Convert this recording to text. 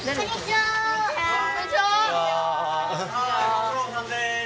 はーいご苦労さんです。